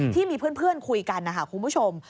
ที่มีเพื่อนคุยกันนะคะคุณผู้ชม